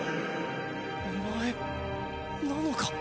お前なのか？